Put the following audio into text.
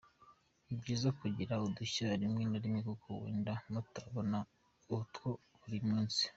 Ni byiza kugira udushya rimwe na rimwe kuko wenda mutabona utwa buri munsi.